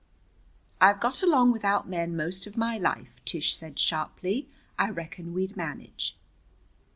"I've got along without men most of my life," Tish said sharply. "I reckon we'd manage."